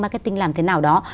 marketing làm thế nào đó